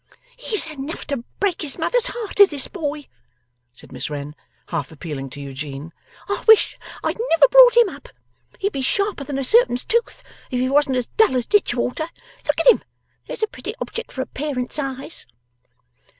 'He's enough to break his mother's heart, is this boy,' said Miss Wren, half appealing to Eugene. 'I wish I had never brought him up. He'd be sharper than a serpent's tooth, if he wasn't as dull as ditch water. Look at him. There's a pretty object for a parent's eyes!